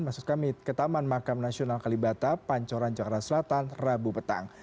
maksud kami ke taman makam nasional kalibata pancoran jakarta selatan rabu petang